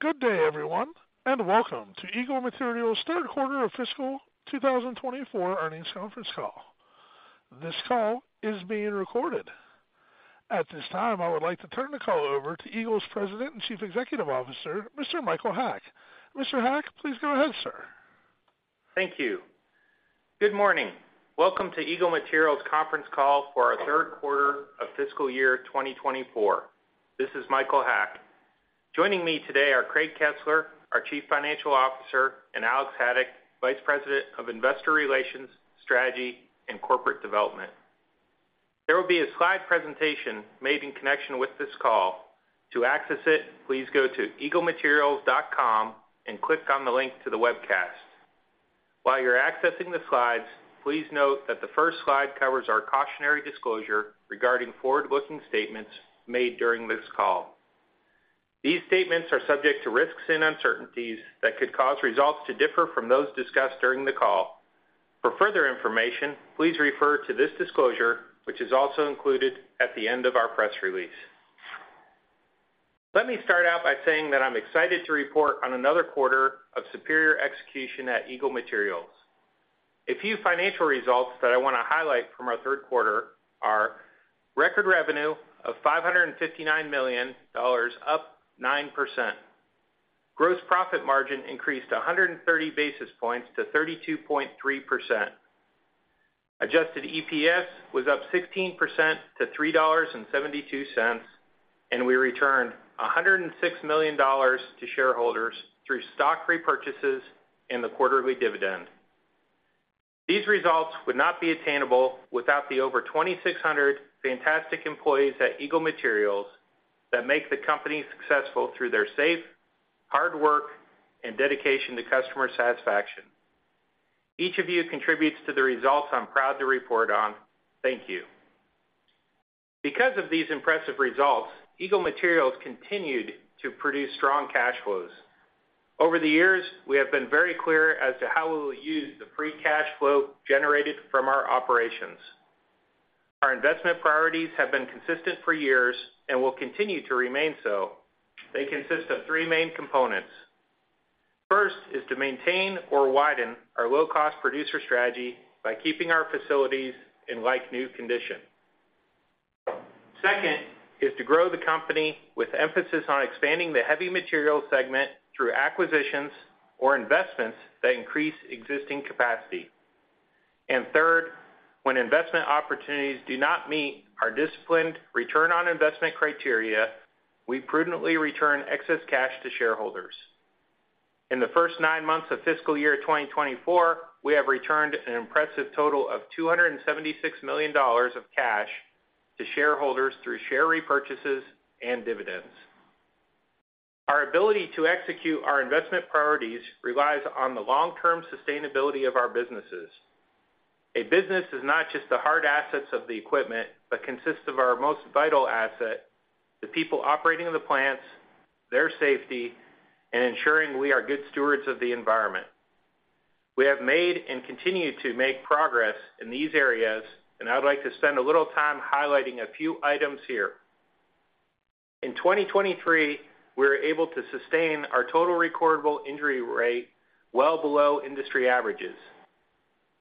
Good day, everyone, and welcome to Eagle Materials' third quarter of fiscal 2024 earnings conference call. This call is being recorded. At this time, I would like to turn the call over to Eagle's President and Chief Executive Officer, Mr. Michael Haack. Mr. Haack, please go ahead, sir. Thank you. Good morning. Welcome to Eagle Materials' conference call for our third quarter of fiscal year 2024. This is Michael Haack. Joining me today are Craig Kesler, our Chief Financial Officer, and Alex Haddock, Vice President of Investor Relations, Strategy, and Corporate Development. There will be a slide presentation made in connection with this call. To access it, please go to eaglematerials.com and click on the link to the webcast. While you're accessing the slides, please note that the first slide covers our cautionary disclosure regarding forward-looking statements made during this call. These statements are subject to risks and uncertainties that could cause results to differ from those discussed during the call. For further information, please refer to this disclosure, which is also included at the end of our press release. Let me start out by saying that I'm excited to report on another quarter of superior execution at Eagle Materials. A few financial results that I wanna highlight from our third quarter are: record revenue of $559 million, up 9%. Gross profit margin increased 130 basis points to 32.3%. Adjusted EPS was up 16% to $3.72, and we returned $106 million to shareholders through stock repurchases and the quarterly dividend. These results would not be attainable without the over 2,600 fantastic employees at Eagle Materials that make the company successful through their safe, hard work, and dedication to customer satisfaction. Each of you contributes to the results I'm proud to report on. Thank you. Because of these impressive results, Eagle Materials continued to produce strong cash flows. Over the years, we have been very clear as to how we will use the free cash flow generated from our operations. Our investment priorities have been consistent for years and will continue to remain so. They consist of three main components. First, is to maintain or widen our low-cost producer strategy by keeping our facilities in like-new condition. Second, is to grow the company with emphasis on expanding the heavy material segment through acquisitions or investments that increase existing capacity. And third, when investment opportunities do not meet our disciplined return on investment criteria, we prudently return excess cash to shareholders. In the first 9 months of fiscal year 2024, we have returned an impressive total of $276 million of cash to shareholders through share repurchases and dividends. Our ability to execute our investment priorities relies on the long-term sustainability of our businesses. A business is not just the hard assets of the equipment, but consists of our most vital asset, the people operating the plants, their safety, and ensuring we are good stewards of the environment. We have made and continue to make progress in these areas, and I would like to spend a little time highlighting a few items here. In 2023, we were able to sustain our total recordable injury rate well below industry averages.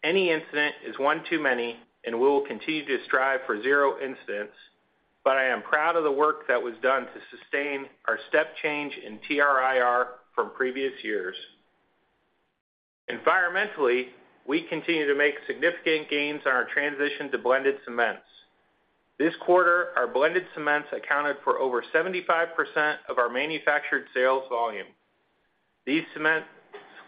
Any incident is one too many, and we will continue to strive for zero incidents, but I am proud of the work that was done to sustain our step change in TRIR from previous years. Environmentally, we continue to make significant gains on our transition to blended cements. This quarter, our blended cements accounted for over 75% of our manufactured sales volume. These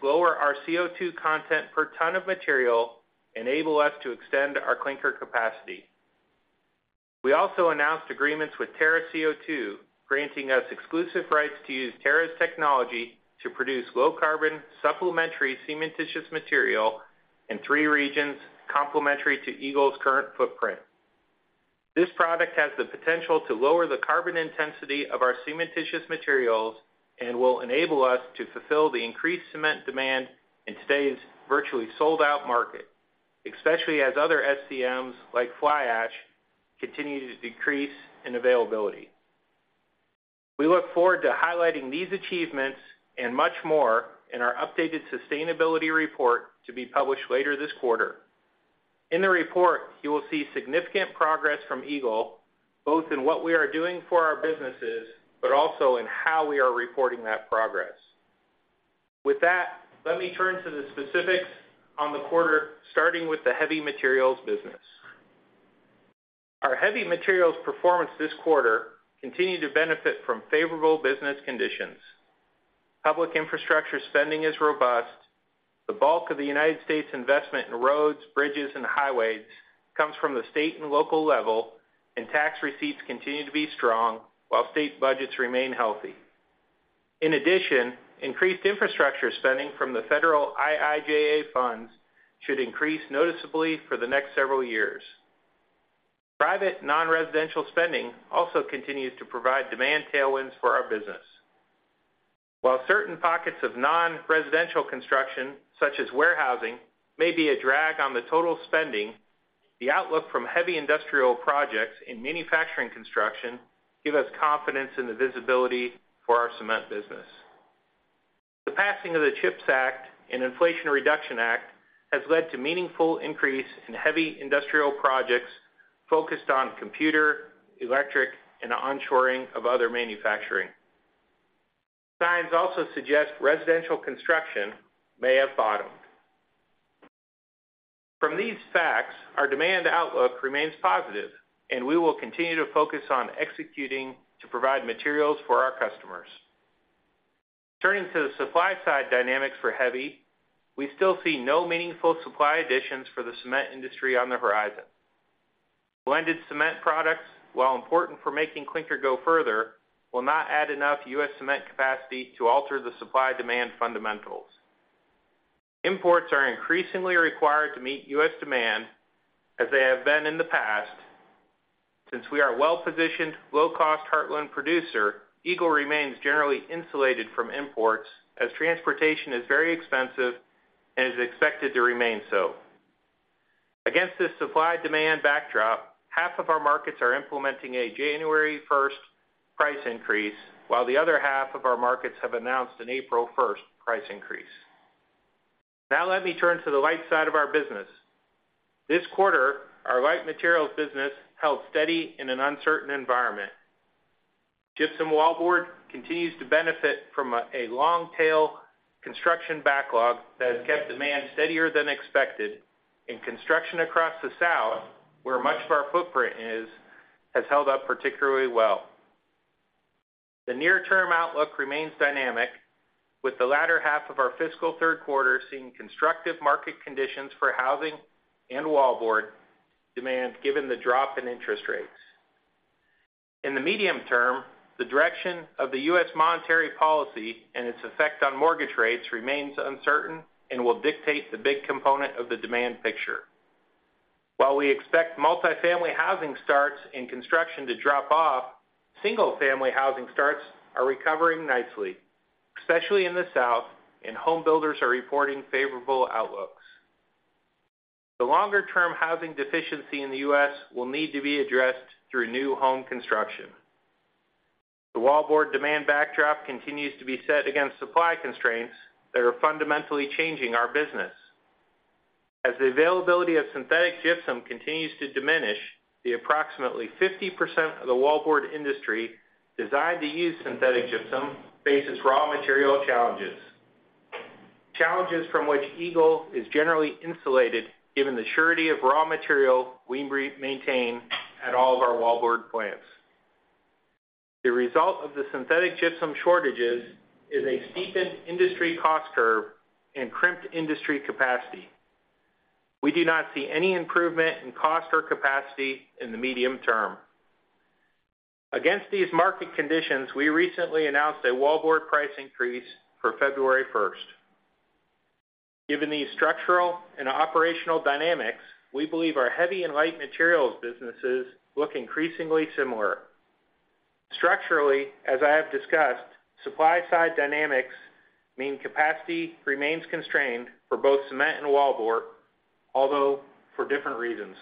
cements lower our CO₂ content per ton of material, enable us to extend our clinker capacity. We also announced agreements with Terra CO2, granting us exclusive rights to use Terra's technology to produce low-carbon, supplementary cementitious material in three regions, complementary to Eagle's current footprint. This product has the potential to lower the carbon intensity of our cementitious materials and will enable us to fulfill the increased cement demand in today's virtually sold-out market, especially as other SCMs, like fly ash, continue to decrease in availability. We look forward to highlighting these achievements and much more in our updated sustainability report to be published later this quarter. In the report, you will see significant progress from Eagle, both in what we are doing for our businesses, but also in how we are reporting that progress. With that, let me turn to the specifics on the quarter, starting with the heavy materials business. Our heavy materials performance this quarter continued to benefit from favorable business conditions. Public infrastructure spending is robust. The bulk of the United States' investment in roads, bridges, and highways comes from the state and local level, and tax receipts continue to be strong while state budgets remain healthy. In addition, increased infrastructure spending from the federal IIJA funds should increase noticeably for the next several years. Private, non-residential spending also continues to provide demand tailwinds for our business. While certain pockets of non-residential construction, such as warehousing, may be a drag on the total spending,... The outlook from heavy industrial projects in manufacturing construction give us confidence in the visibility for our cement business. The passing of the CHIPS Act and Inflation Reduction Act has led to meaningful increase in heavy industrial projects focused on computer, electric, and onshoring of other manufacturing. Signs also suggest residential construction may have bottomed. From these facts, our demand outlook remains positive, and we will continue to focus on executing to provide materials for our customers. Turning to the supply side dynamics for heavy, we still see no meaningful supply additions for the cement industry on the horizon. Blended Cement products, while important for making clinker go further, will not add enough U.S. cement capacity to alter the supply-demand fundamentals. Imports are increasingly required to meet U.S. demand, as they have been in the past. Since we are a well-positioned, low-cost heartland producer, Eagle remains generally insulated from imports, as transportation is very expensive and is expected to remain so. Against this supply-demand backdrop, half of our markets are implementing a January 1st price increase, while the other half of our markets have announced an April 1st price increase. Now let me turn to the light side of our business. This quarter, our light materials business held steady in an uncertain environment. Gypsum Wallboard continues to benefit from a long-tail construction backlog that has kept demand steadier than expected, and construction across the South, where much of our footprint is, has held up particularly well. The near-term outlook remains dynamic, with the latter half of our fiscal third quarter seeing constructive market conditions for housing and wallboard demand, given the drop in interest rates. In the medium term, the direction of the U.S. monetary policy and its effect on mortgage rates remains uncertain and will dictate the big component of the demand picture. While we expect multifamily housing starts and construction to drop off, single-family housing starts are recovering nicely, especially in the South, and home builders are reporting favorable outlooks. The longer-term housing deficiency in the U.S. will need to be addressed through new home construction. The wallboard demand backdrop continues to be set against supply constraints that are fundamentally changing our business. As the availability of synthetic gypsum continues to diminish, the approximately 50% of the wallboard industry designed to use synthetic gypsum faces raw material challenges, challenges from which Eagle is generally insulated, given the surety of raw material we maintain at all of our wallboard plants. The result of the synthetic gypsum shortages is a steepened industry cost curve and crimped industry capacity. We do not see any improvement in cost or capacity in the medium term. Against these market conditions, we recently announced a wallboard price increase for February 1st. Given these structural and operational dynamics, we believe our heavy and light materials businesses look increasingly similar. Structurally, as I have discussed, supply side dynamics mean capacity remains constrained for both cement and wallboard, although for different reasons.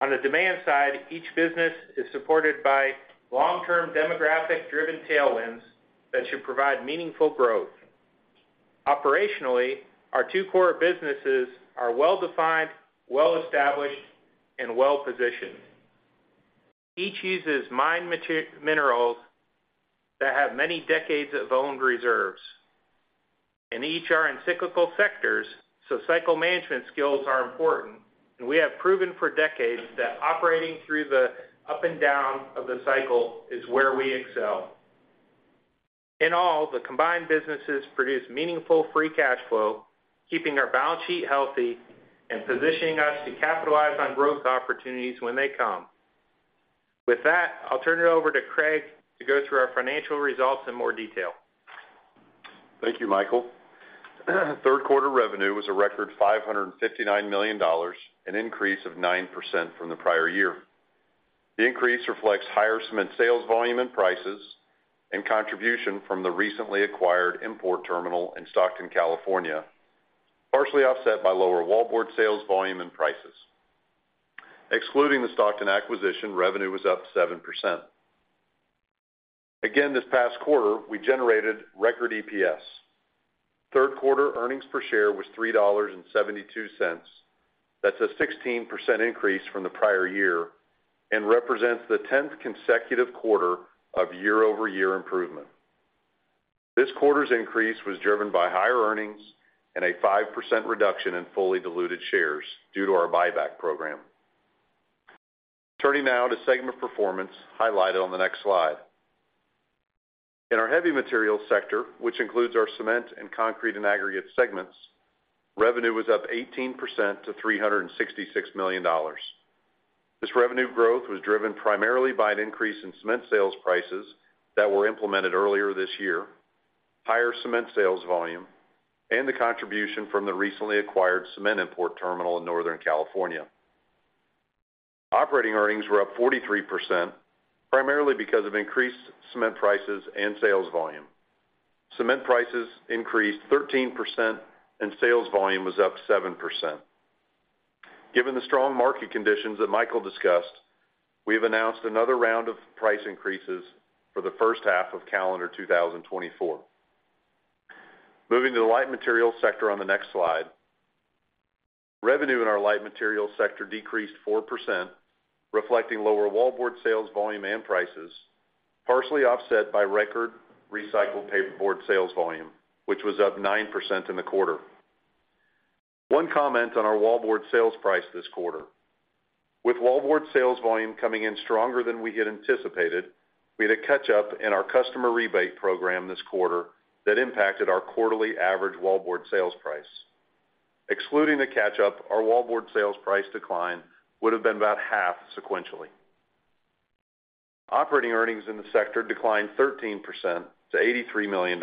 On the demand side, each business is supported by long-term, demographic-driven tailwinds that should provide meaningful growth. Operationally, our two core businesses are well-defined, well-established, and well-positioned. Each uses mined minerals that have many decades of owned reserves, and each are in cyclical sectors, so cycle management skills are important, and we have proven for decades that operating through the up and down of the cycle is where we excel. In all, the combined businesses produce meaningful free cash flow, keeping our balance sheet healthy and positioning us to capitalize on growth opportunities when they come. With that, I'll turn it over to Craig to go through our financial results in more detail. Thank you, Michael. Third quarter revenue was a record $559 million, an increase of 9% from the prior year. The increase reflects higher cement sales volume and prices, and contribution from the recently acquired import terminal in Stockton, California, partially offset by lower wallboard sales volume and prices. Excluding the Stockton acquisition, revenue was up 7%. Again, this past quarter, we generated record EPS. Third quarter earnings per share was $3.72. That's a 16% increase from the prior year and represents the 10th consecutive quarter of year-over-year improvement. This quarter's increase was driven by higher earnings and a 5% reduction in fully diluted shares due to our buyback program. Turning now to segment performance highlighted on the next slide. In our heavy materials sector, which includes our cement and concrete and aggregate segments, revenue was up 18% to $366 million. This revenue growth was driven primarily by an increase in cement sales prices that were implemented earlier this year, higher cement sales volume, and the contribution from the recently acquired cement import terminal in Northern California.... Operating earnings were up 43%, primarily because of increased cement prices and sales volume. Cement prices increased 13% and sales volume was up 7%. Given the strong market conditions that Michael discussed, we have announced another round of price increases for the first half of calendar 2024. Moving to the light materials sector on the next slide. Revenue in our light materials sector decreased 4%, reflecting lower wallboard sales volume and prices, partially offset by record recycled paperboard sales volume, which was up 9% in the quarter. One comment on our wallboard sales price this quarter. With wallboard sales volume coming in stronger than we had anticipated, we had a catch up in our customer rebate program this quarter that impacted our quarterly average wallboard sales price. Excluding the catch up, our wallboard sales price decline would have been about half sequentially. Operating earnings in the sector declined 13% to $83 million,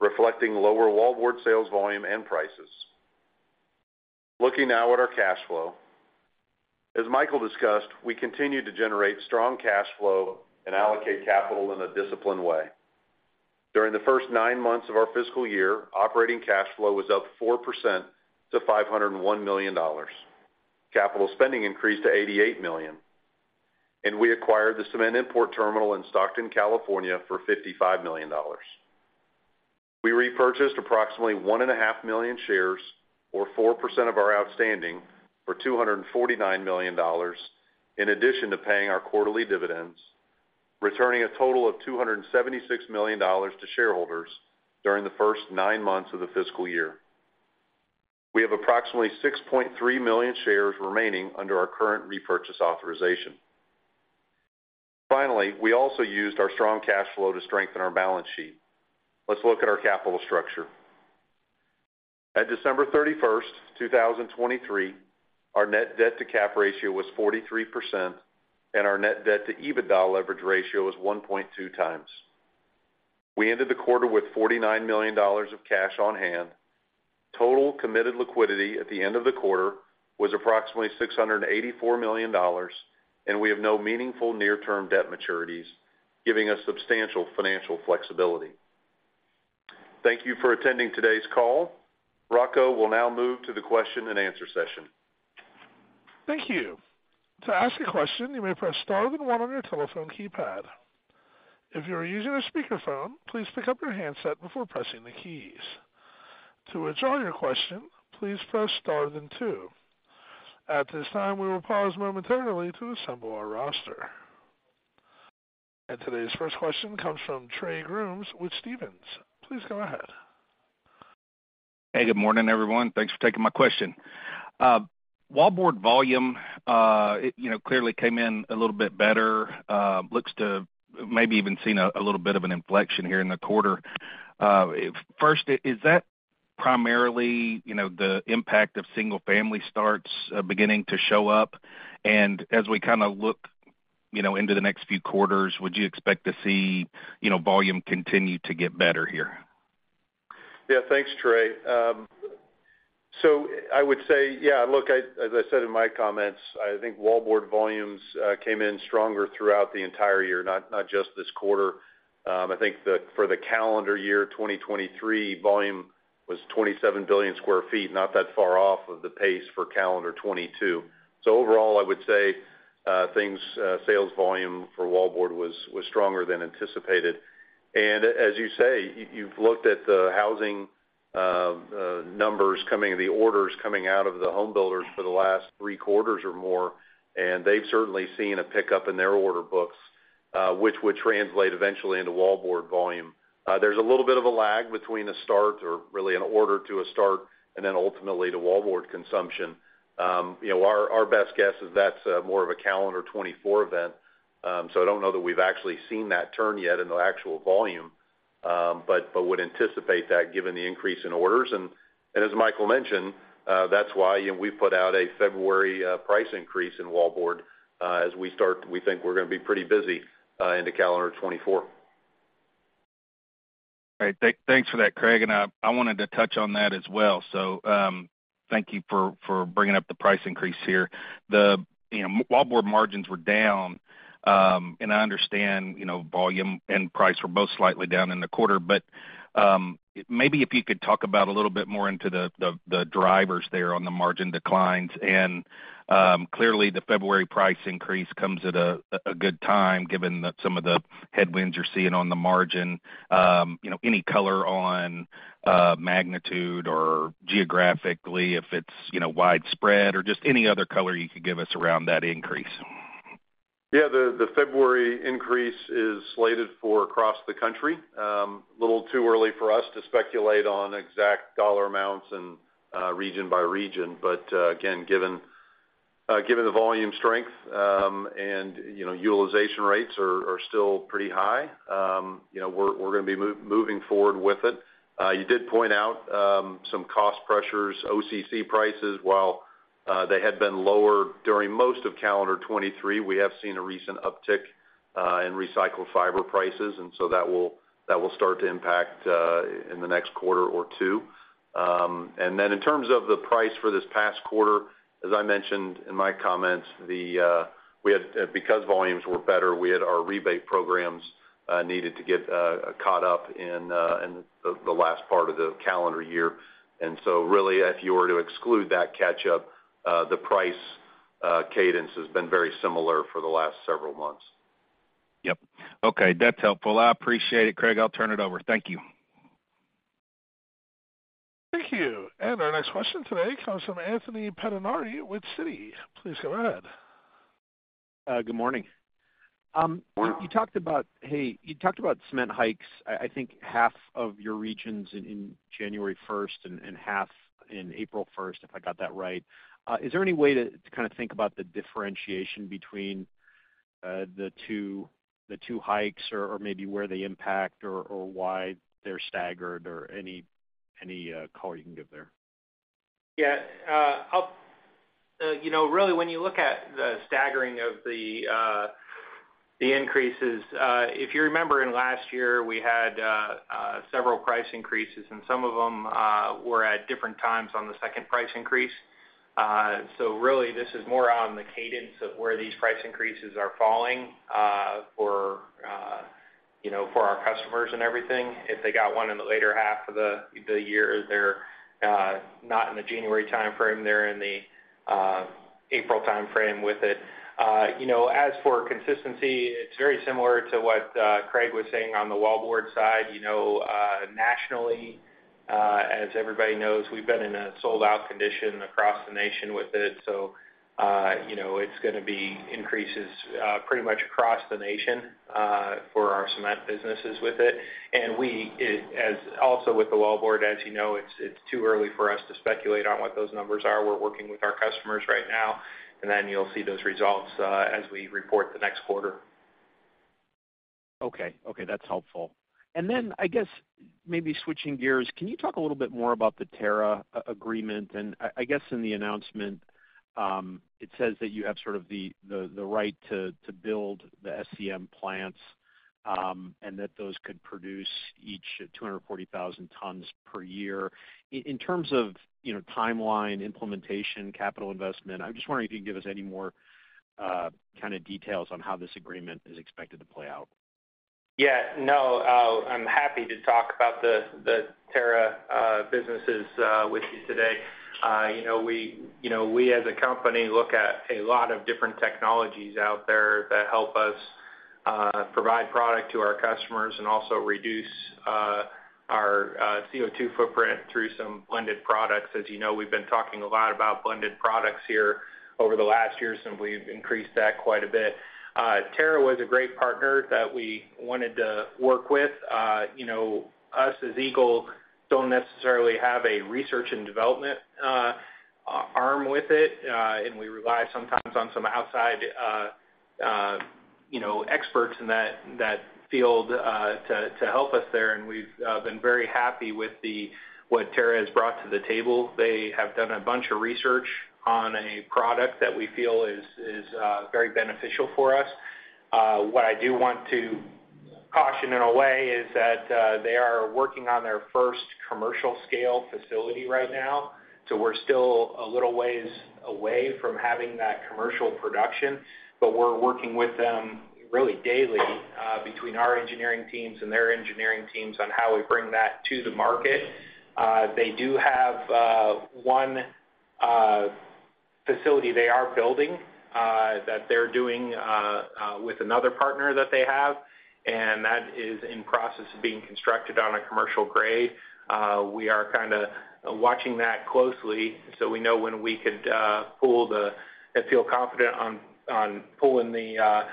reflecting lower wallboard sales volume and prices. Looking now at our cash flow. As Michael discussed, we continue to generate strong cash flow and allocate capital in a disciplined way. During the first nine months of our fiscal year, operating cash flow was up 4% to $501 million. Capital spending increased to $88 million, and we acquired the cement import terminal in Stockton, California, for $55 million. We repurchased approximately 1.5 million shares, or 4% of our outstanding, for $249 million, in addition to paying our quarterly dividends, returning a total of $276 million to shareholders during the first nine months of the fiscal year. We have approximately 6.3 million shares remaining under our current repurchase authorization. Finally, we also used our strong cash flow to strengthen our balance sheet. Let's look at our capital structure. At December 31st, 2023, our net debt to cap ratio was 43%, and our net debt to EBITDA leverage ratio was 1.2 times. We ended the quarter with $49 million of cash on hand. Total committed liquidity at the end of the quarter was approximately $684 million, and we have no meaningful near-term debt maturities, giving us substantial financial flexibility. Thank you for attending today's call. Rocco will now move to the question and answer session. Thank you. To ask a question, you may press star then one on your telephone keypad. If you are using a speakerphone, please pick up your handset before pressing the keys. To withdraw your question, please press star then two. At this time, we will pause momentarily to assemble our roster. Today's first question comes from Trey Grooms with Stephens. Please go ahead. Hey, good morning, everyone. Thanks for taking my question. Wallboard volume, it, you know, clearly came in a little bit better, looks to maybe even seen a little bit of an inflection here in the quarter. First, is that primarily, you know, the impact of single-family starts, beginning to show up? And as we kind of look, you know, into the next few quarters, would you expect to see, you know, volume continue to get better here? Yeah, thanks, Trey. So I would say, yeah, look, as I said in my comments, I think wallboard volumes came in stronger throughout the entire year, not just this quarter. I think for the calendar year 2023, volume was 27 billion sq ft, not that far off of the pace for calendar 2022. So overall, I would say, sales volume for wallboard was stronger than anticipated. And as you say, you've looked at the housing numbers, the orders coming out of the home builders for the last three quarters or more, and they've certainly seen a pickup in their order books, which would translate eventually into wallboard volume. There's a little bit of a lag between a start or really an order to a start and then ultimately to wallboard consumption. You know, our best guess is that's more of a calendar 2024 event. So I don't know that we've actually seen that turn yet in the actual volume, but would anticipate that given the increase in orders. And as Michael mentioned, that's why, you know, we put out a February price increase in wallboard, as we start, we think we're gonna be pretty busy into calendar 2024. All right. Thanks for that, Craig, and I wanted to touch on that as well. So, thank you for bringing up the price increase here. The, you know, wallboard margins were down, and I understand, you know, volume and price were both slightly down in the quarter, but, maybe if you could talk about a little bit more into the drivers there on the margin declines. And, clearly, the February price increase comes at a good time, given some of the headwinds you're seeing on the margin. You know, any color on, magnitude or geographically, if it's, you know, widespread or just any other color you could give us around that increase? Yeah, the February increase is slated for across the country. A little too early for us to speculate on exact dollar amounts and, region by region. But, again, given the volume strength, and, you know, utilization rates are still pretty high, you know, we're gonna be moving forward with it. You did point out some cost pressures, OCC prices, while they had been lower during most of calendar 2023, we have seen a recent uptick in recycled fiber prices, and so that will start to impact in the next quarter or two. And then in terms of the price for this past quarter, as I mentioned in my comments, we had, because volumes were better, our rebate programs needed to get caught up in the last part of the calendar year. And so really, if you were to exclude that catch-up, the price cadence has been very similar for the last several months. Yep. Okay, that's helpful. I appreciate it, Craig. I'll turn it over. Thank you. Thank you. Our next question today comes from Anthony Pettinari with Citi. Please go ahead. Good morning. You talked about cement hikes. I think half of your regions in January 1st and half in April 1st, if I got that right. Is there any way to kind of think about the differentiation between the two hikes or maybe where they impact or why they're staggered or any color you can give there? Yeah, you know, really, when you look at the staggering of the increases, if you remember in last year, we had several price increases, and some of them were at different times on the second price increase. So really, this is more on the cadence of where these price increases are falling, for, you know, for our customers and everything. If they got one in the later half of the year, they're not in the January timeframe, they're in the April timeframe with it. You know, as for consistency, it's very similar to what Craig was saying on the wallboard side. You know, nationally, as everybody knows, we've been in a sold-out condition across the nation with it, so, you know, it's gonna be increases, pretty much across the nation, for our cement businesses with it. And we, as also with the wallboard, as you know, it's, it's too early for us to speculate on what those numbers are. We're working with our customers right now, and then you'll see those results, as we report the next quarter. Okay. Okay, that's helpful. And then, I guess, maybe switching gears, can you talk a little bit more about the Terra CO2 agreement? And I, I guess in the announcement, it says that you have sort of the, the, the right to, to build the SCM plants, and that those could produce each at 240,000 tons per year. In terms of, you know, timeline, implementation, capital investment, I'm just wondering if you can give us any more, kind of details on how this agreement is expected to play out. Yeah. No, I'm happy to talk about the Terra businesses with you today. You know, we, you know, we, as a company, look at a lot of different technologies out there that help us provide product to our customers and also reduce our CO2 footprint through some blended products. As you know, we've been talking a lot about blended products here over the last year, so we've increased that quite a bit. Terra was a great partner that we wanted to work with. You know, us, as Eagle, don't necessarily have a research and development arm with it, and we rely sometimes on some outside, you know, experts in that field to help us there, and we've been very happy with what Terra has brought to the table. They have done a bunch of research on a product that we feel is very beneficial for us. What I do want to caution in a way is that they are working on their first commercial scale facility right now, so we're still a little ways away from having that commercial production. But we're working with them really daily between our engineering teams and their engineering teams on how we bring that to the market. They do have one facility they are building that they're doing with another partner that they have, and that is in process of being constructed on a commercial grade. We are kind of watching that closely, so we know when we could pull the... and feel confident on pulling the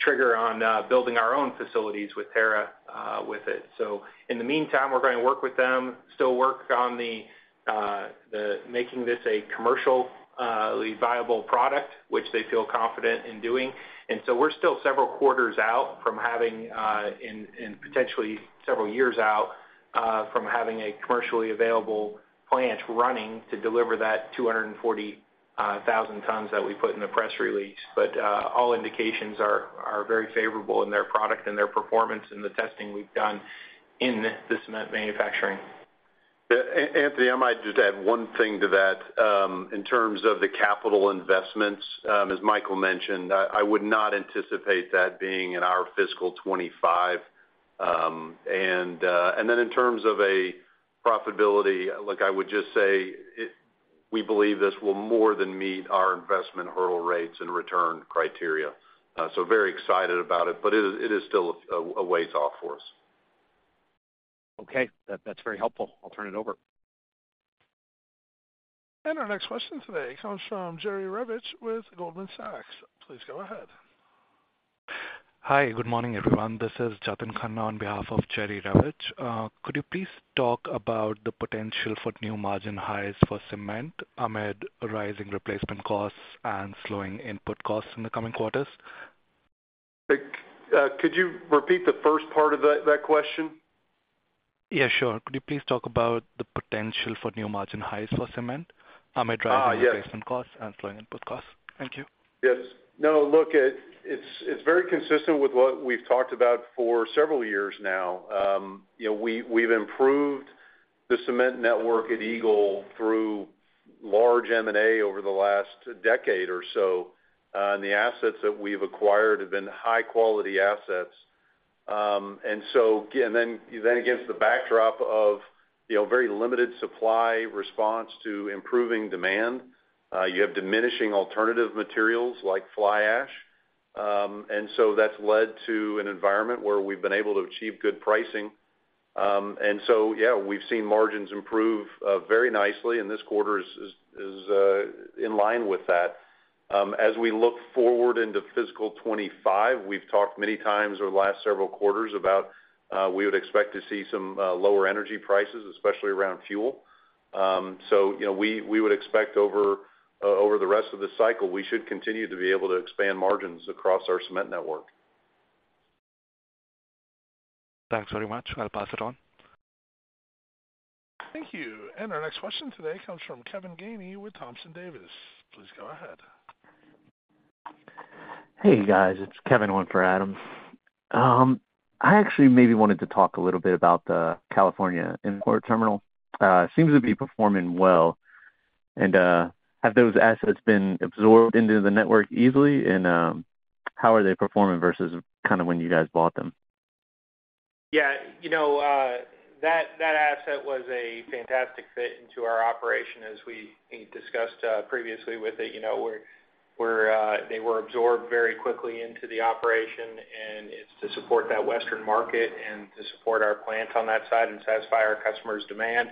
trigger on building our own facilities with Terra, with it. So in the meantime, we're going to work with them, still work on the making this a commercially viable product, which they feel confident in doing. And so we're still several quarters out from having, and potentially several years out, from having a commercially available plant running to deliver that 240,000 tons that we put in the press release. But all indications are very favorable in their product and their performance in the testing we've done in the cement manufacturing. Yeah, Anthony, I might just add one thing to that. In terms of the capital investments, as Michael mentioned, I would not anticipate that being in our fiscal 2025. And then in terms of profitability, look, I would just say it, we believe this will more than meet our investment hurdle rates and return criteria. So very excited about it, but it is still a ways off for us. Okay. That, that's very helpful. I'll turn it over. Our next question today comes from Jerry Revich with Goldman Sachs. Please go ahead. Hi, good morning, everyone. This is Jatin Khanna on behalf of Jerry Revich. Could you please talk about the potential for new margin highs for cement amid rising replacement costs and slowing input costs in the coming quarters? Could you repeat the first part of that, that question? ... Yeah, sure. Could you please talk about the potential for new margin highs for cement, amid rising replacement costs and slowing input costs? Thank you. Yes. No, look, it's very consistent with what we've talked about for several years now. You know, we've improved the cement network at Eagle through large M&A over the last decade or so, and the assets that we've acquired have been high-quality assets. And so, again, then against the backdrop of, you know, very limited supply response to improving demand, you have diminishing alternative materials like fly ash. And so that's led to an environment where we've been able to achieve good pricing. And so yeah, we've seen margins improve very nicely, and this quarter is in line with that. As we look forward into fiscal 2025, we've talked many times over the last several quarters about we would expect to see some lower energy prices, especially around fuel. So, you know, we would expect over the rest of the cycle, we should continue to be able to expand margins across our cement network. Thanks very much. I'll pass it on. Thank you. Our next question today comes from Kevin Gainey with Thompson Davis. Please go ahead. Hey, guys. It's Kevin from Adam. I actually maybe wanted to talk a little bit about the California import terminal. Seems to be performing well. And, have those assets been absorbed into the network easily? And, how are they performing versus kind of when you guys bought them? Yeah, you know, that asset was a fantastic fit into our operation, as we discussed previously with it. You know, they were absorbed very quickly into the operation, and it's to support that Western market and to support our plants on that side and satisfy our customers' demand.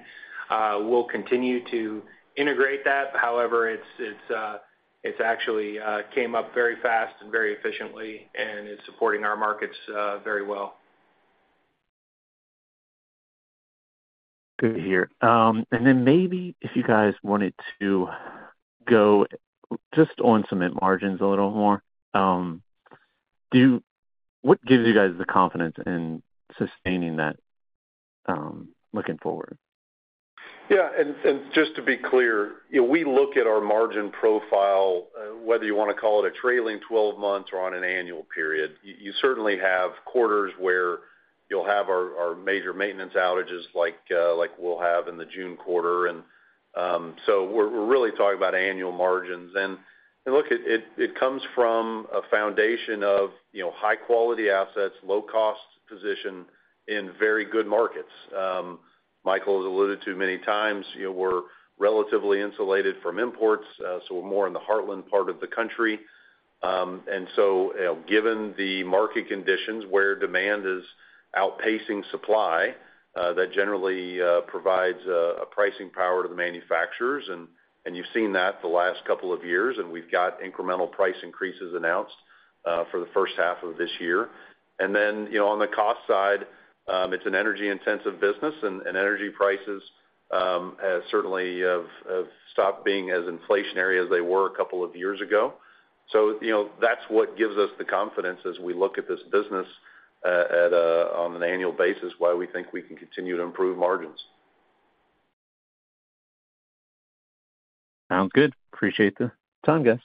We'll continue to integrate that. However, it's actually came up very fast and very efficiently and is supporting our markets very well. Good to hear. Then maybe if you guys wanted to go just on cement margins a little more, what gives you guys the confidence in sustaining that, looking forward? Yeah, and just to be clear, you know, we look at our margin profile, whether you want to call it a trailing twelve months or on an annual period. You certainly have quarters where you'll have our major maintenance outages, like we'll have in the June quarter. And so we're really talking about annual margins. And look, it comes from a foundation of, you know, high-quality assets, low-cost position in very good markets. Michael has alluded to many times, you know, we're relatively insulated from imports, so we're more in the heartland part of the country. And so, given the market conditions where demand is outpacing supply, that generally provides a pricing power to the manufacturers. You've seen that the last couple of years, and we've got incremental price increases announced for the first half of this year. And then, you know, on the cost side, it's an energy-intensive business and energy prices certainly have stopped being as inflationary as they were a couple of years ago. So, you know, that's what gives us the confidence as we look at this business on an annual basis, why we think we can continue to improve margins. Sounds good. Appreciate the time, guys.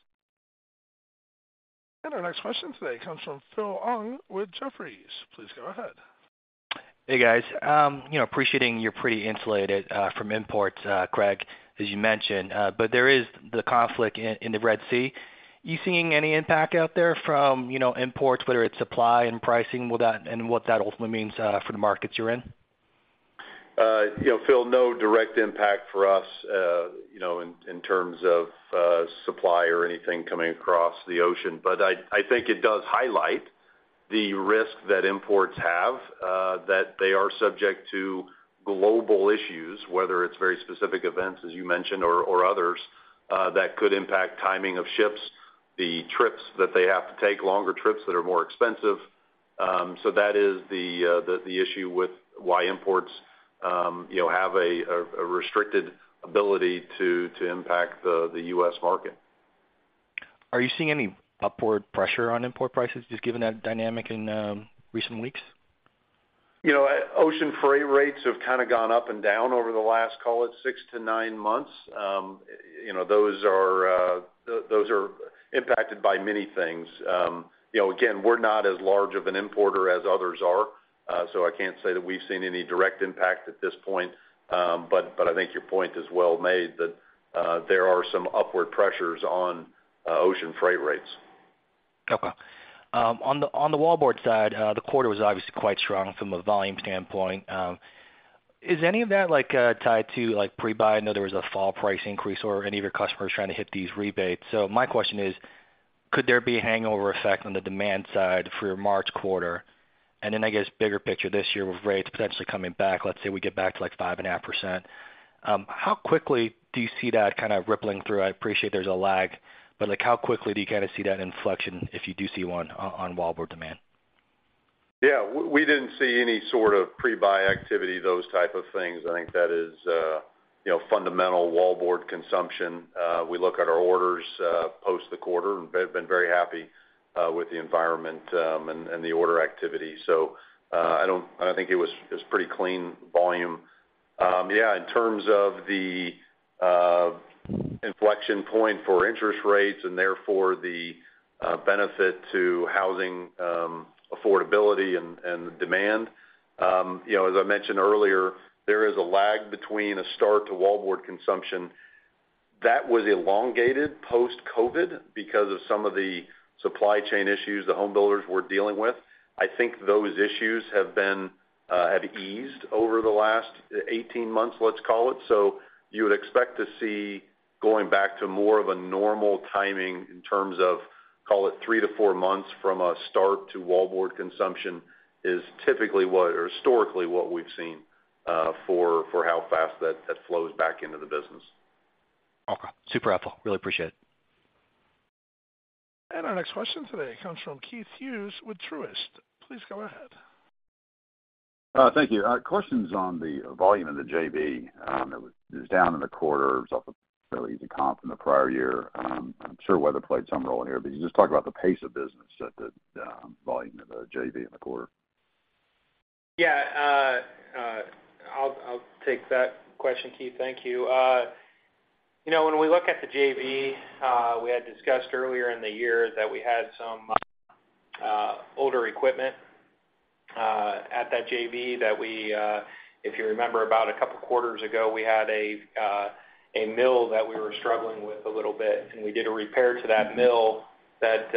Our next question today comes from Philip Ng with Jefferies. Please go ahead. Hey, guys. You know, appreciating you're pretty insulated from imports, Craig, as you mentioned, but there is the conflict in the Red Sea. You seeing any impact out there from, you know, imports, whether it's supply and pricing, will that—and what that ultimately means for the markets you're in? You know, Phil, no direct impact for us, you know, in terms of supply or anything coming across the ocean. But I think it does highlight the risk that imports have, that they are subject to global issues, whether it's very specific events, as you mentioned, or others, that could impact timing of ships, the trips that they have to take, longer trips that are more expensive. So that is the issue with why imports, you know, have a restricted ability to impact the U.S. market. Are you seeing any upward pressure on import prices, just given that dynamic in recent weeks? You know, ocean freight rates have kind of gone up and down over the last, call it, 6-9 months. You know, those are impacted by many things. You know, again, we're not as large of an importer as others are, so I can't say that we've seen any direct impact at this point. But I think your point is well made, that there are some upward pressures on ocean freight rates. Okay. On the, on the wallboard side, the quarter was obviously quite strong from a volume standpoint. Is any of that, like, tied to, like, pre-buy? I know there was a fall price increase or any of your customers trying to hit these rebates. So my question is: Could there be a hangover effect on the demand side for your March quarter? And then, I guess, bigger picture this year, with rates potentially coming back, let's say, we get back to, like, 5.5%, how quickly do you see that kind of rippling through? I appreciate there's a lag, but, like, how quickly do you kind of see that inflection if you do see one on wallboard demand? Yeah. We didn't see any sort of pre-buy activity, those type of things. I think that is, you know, fundamental wallboard consumption. We look at our orders post the quarter and been very happy with the environment, and the order activity. So, I don't think it was pretty clean volume. Yeah, in terms of the inflection point for interest rates, and therefore, the benefit to housing affordability and demand, you know, as I mentioned earlier, there is a lag between a start to wallboard consumption that was elongated post-COVID because of some of the supply chain issues the home builders were dealing with. I think those issues have eased over the last 18 months, let's call it. You would expect to see going back to more of a normal timing in terms of, call it, 3-4 months from a start to wallboard consumption, is typically what or historically what we've seen, for how fast that flows back into the business. Okay. Super helpful. Really appreciate it. Our next question today comes from Keith Hughes with Truist. Please go ahead. Thank you. Questions on the volume of the JV that was down in the quarter, was off a fairly easy comp from the prior year. I'm sure weather played some role in here, but can you just talk about the pace of business at the volume of the JV in the quarter? Yeah, I'll take that question, Keith. Thank you. You know, when we look at the JV, we had discussed earlier in the year that we had some older equipment at that JV that we, if you remember, about a couple quarters ago, we had a mill that we were struggling with a little bit, and we did a repair to that mill that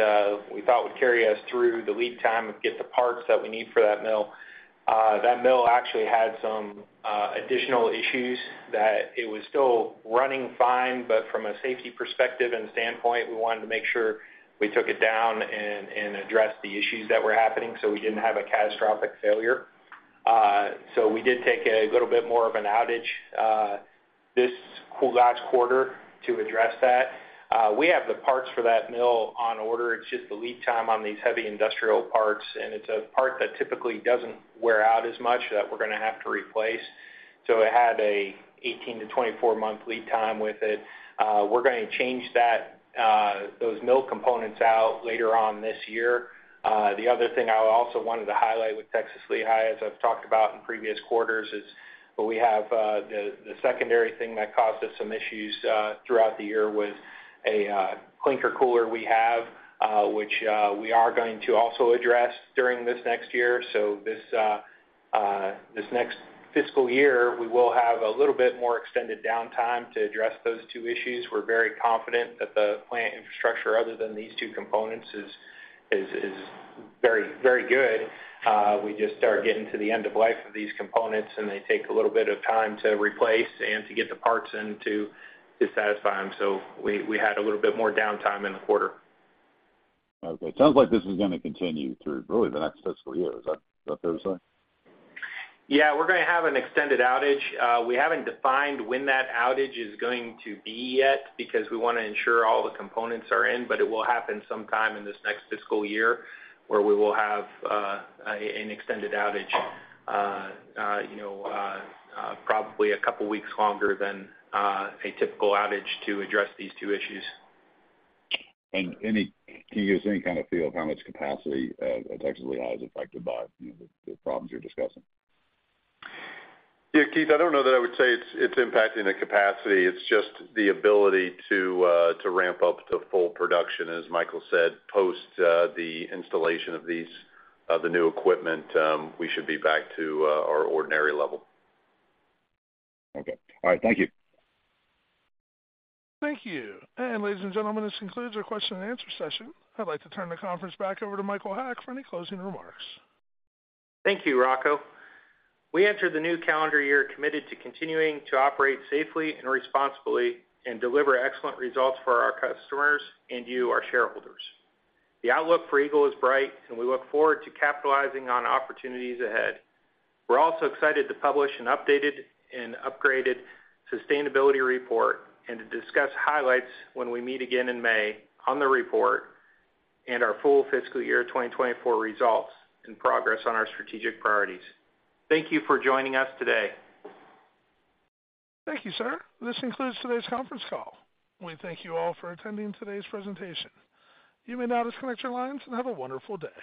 we thought would carry us through the lead time and get the parts that we need for that mill. That mill actually had some additional issues that it was still running fine, but from a safety perspective and standpoint, we wanted to make sure we took it down and addressed the issues that were happening, so we didn't have a catastrophic failure. So we did take a little bit more of an outage this last quarter to address that. We have the parts for that mill on order. It's just the lead time on these heavy industrial parts, and it's a part that typically doesn't wear out as much that we're gonna have to replace. So it had an 18- to 24-month lead time with it. We're gonna change those mill components out later on this year. The other thing I also wanted to highlight with Texas Lehigh, as I've talked about in previous quarters, is we have the secondary thing that caused us some issues throughout the year was a clinker cooler we have, which we are going to also address during this next year. So this next fiscal year, we will have a little bit more extended downtime to address those two issues. We're very confident that the plant infrastructure, other than these two components, is very, very good. We just started getting to the end of life of these components, and they take a little bit of time to replace and to get the parts in to satisfy them. So we had a little bit more downtime in the quarter. Okay. Sounds like this is gonna continue through really the next fiscal year. Is that, is that fair to say? Yeah, we're gonna have an extended outage. We haven't defined when that outage is going to be yet because we want to ensure all the components are in, but it will happen sometime in this next fiscal year, where we will have an extended outage, you know, probably a couple weeks longer than a typical outage to address these two issues. Can you give us any kind of feel of how much capacity Texas Lehigh is affected by, you know, the problems you're discussing? Yeah, Keith, I don't know that I would say it's impacting the capacity. It's just the ability to ramp up to full production. As Michael said, post the installation of these the new equipment, we should be back to our ordinary level. Okay. All right. Thank you. Thank you. Ladies and gentlemen, this concludes our question and answer session. I'd like to turn the conference back over to Michael Haack for any closing remarks. Thank you, Rocco. We enter the new calendar year committed to continuing to operate safely and responsibly and deliver excellent results for our customers and you, our shareholders. The outlook for Eagle is bright, and we look forward to capitalizing on opportunities ahead. We're also excited to publish an updated and upgraded sustainability report and to discuss highlights when we meet again in May on the report and our full fiscal year 2024 results and progress on our strategic priorities. Thank you for joining us today. Thank you, sir. This concludes today's conference call. We thank you all for attending today's presentation. You may now disconnect your lines and have a wonderful day.